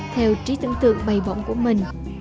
theo trí tưởng tượng bày bỏng của mình